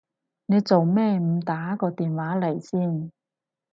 你做咩唔打個電話嚟先？